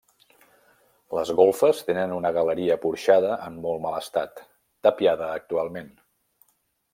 Les golfes tenen una galeria porxada en molt mal estat, tapiada actualment.